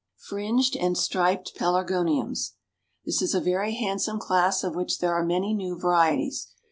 FRINGED AND STRIPED PELARGONIUMS. This is a very handsome class of which there are many new varieties.